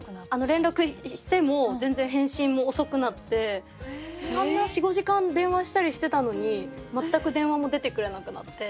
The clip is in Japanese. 連絡しても全然返信も遅くなってあんな４５時間電話したりしてたのに全く電話も出てくれなくなって。